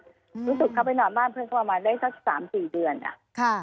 รู้สึกเขาไปนอนบ้านเพื่อนเขาประมาณได้สัก๓๔เดือนอะ